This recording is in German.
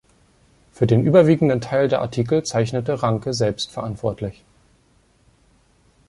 Für den überwiegenden Teil der Artikel zeichnete Ranke selbst verantwortlich.